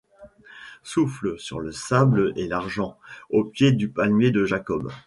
Souffle sur le sable et l’argent, Au pied du palmier de Jacob.